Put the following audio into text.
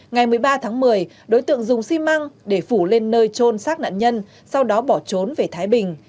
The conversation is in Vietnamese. ngày một mươi ba tháng một mươi đối tượng dùng xi măng để phủ lên nơi trôn xác nạn nhân sau đó bỏ trốn về thái bình